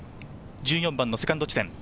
１４番セカンド地点。